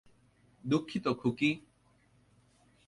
দুঃখিত, খুকি।